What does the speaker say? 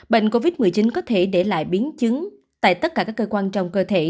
bệnh covid một mươi chín có thể để lại biến chứng tại tất cả các cơ quan trong cơ thể